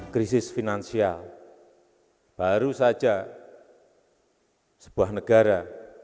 krisis finansial baru saja sebuah negara